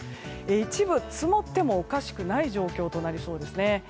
一部、積もってもおかしくない状況となりそうですね。